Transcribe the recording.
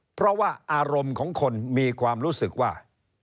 เพราะว่าอารมณ์ของคนมีความรู้สึกว่า